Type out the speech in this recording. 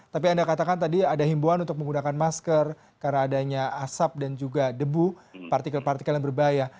tapi anda katakan tadi ada himbuan untuk menggunakan masker karena adanya asap dan juga debu partikel partikel yang berbahaya